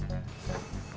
gak usah nanya